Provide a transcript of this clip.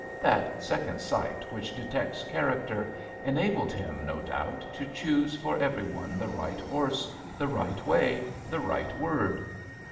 That second sight which detects character, enabled him, no doubt, to choose for every one the right horse, the right way, the right word.